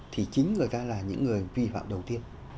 thì chính người ta là những người vi phạm đầu tiên